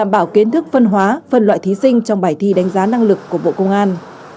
bảo kiến thức phân hóa phân loại thí sinh trong bài thi đánh giá năng lực của bộ công an